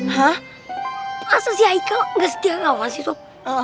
masa si haikal ga setia kawan sih sob